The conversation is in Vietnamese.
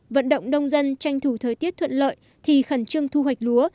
vận động nông dân tranh thủ thời tiết thuận lợi thì khẩn trương thu hoạch lúa